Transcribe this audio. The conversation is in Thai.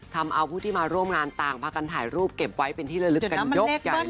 ทำเอาผู้ที่มาร่วมงานต่างพากันถ่ายรูปเก็บไว้เป็นที่ละลึกกันยกใหญ่